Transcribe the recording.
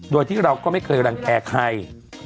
โดยที่เราก็ไม่เคยรังแก่ใคร